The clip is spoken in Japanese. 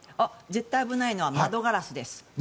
絶対危ないのは窓ガラスです。